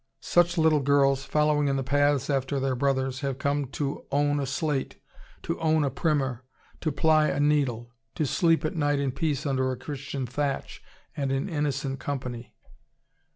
Such little girls, following in the paths after their brothers, have come to own a slate, to own a primer, to ply a needle, to sleep at night in peace under a Christian thatch and in innocent company.